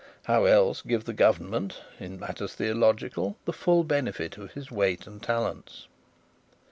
How else give the government, in matters theological, the full benefit of his weight and talents?